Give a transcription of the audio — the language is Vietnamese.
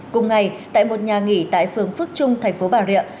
cùng ngày tại một nhà nghỉ tại phường phước trung thành phố bà rịa